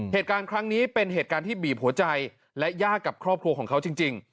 เหตุการณ์ครั้งนี้เป็นเหตุการณ์ที่บีบหัวใจและยากกับครอบครัวของเขาจริง